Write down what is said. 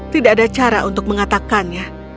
tidak ada cara untuk mengatakannya